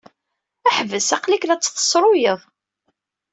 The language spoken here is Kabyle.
Ḥbes! Aql-ik la tt-tessruyeḍ.